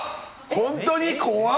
本当に怖っ！